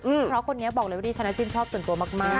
เพราะคนนี้บอกเลยว่าดิฉันชื่นชอบส่วนตัวมาก